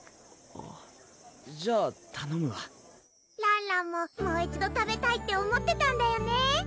あっじゃあたのむわらんらんももう一度食べたいって思ってたんだよね